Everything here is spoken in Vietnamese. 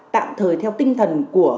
tạm thời theo tinh thần của